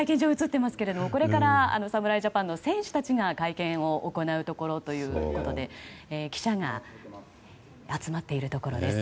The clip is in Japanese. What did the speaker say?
これから侍ジャパンの選手たちが会見を行うところということで記者が集まっているところです。